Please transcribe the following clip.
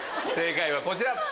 正解はこちら。